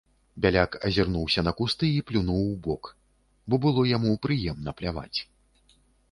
Бяляк азірнуўся на кусты і плюнуў убок, бо было яму прыемна пляваць.